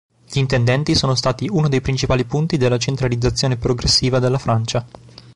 Gli intendenti sono stati uno dei principali punti della centralizzazione progressiva della Francia.